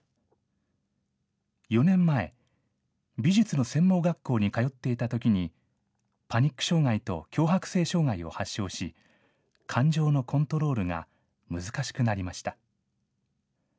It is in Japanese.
４年前、美術の専門学校に通っていたときに、パニック障害と強迫性障害を発症し、感情のコントロールが難しくなりました。